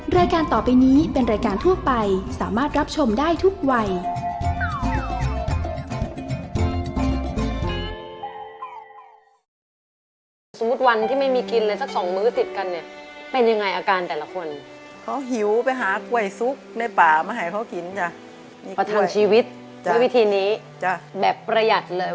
รายการต่อไปนี้เป็นรายการทั่วไปสามารถรับชมได้ทุกวัย